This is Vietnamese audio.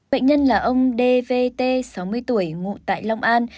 bệnh nhân là ông dvt sáu mươi tuổi ngụ tại long an